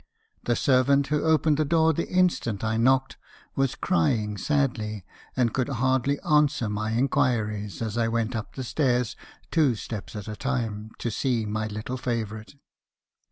The servant, who opened the door the instant I knocked, was crying sadly, and could hardly answer my in quiries as I went up stairs, two steps at a time , to see my little favourite.